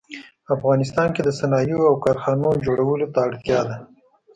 افغانستان کې د صنایعو او کارخانو جوړولو ته اړتیا ده